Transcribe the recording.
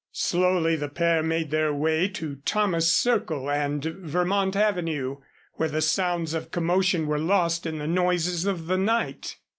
Slowly the pair made their way to Thomas Circle and Vermont Avenue, where the sounds of commotion were lost in the noises of the night.